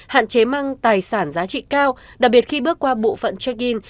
hạn chế mang tài sản giá trị cao đặc biệt khi bước qua bộ phận check in